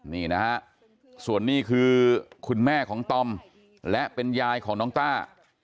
นี่นะฮะส่วนนี้คือคุณแม่ของตอมและเป็นยายของน้องต้า